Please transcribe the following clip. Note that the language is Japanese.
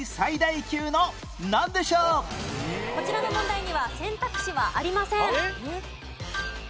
こちらの問題には選択肢はありません。